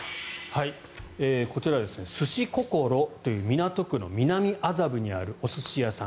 こちら、鮨心という港区の南麻布にあるお寿司屋さん